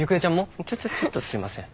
ちょちょちょっとすいません。